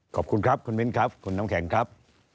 ขอบคุณครับคุณมิ้นครับคุณน้ำแข็งครับ